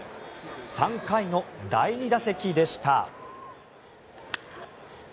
３回の第２打席でした。